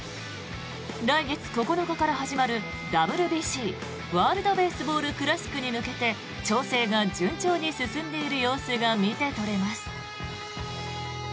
来月９日から始まるＷＢＣ＝ワールド・ベースボール・クラシックに向けて調整が順調に進んでいる様子が見て取れます。